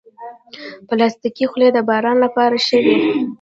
پلاستيکي خولۍ د باران لپاره ښه وي.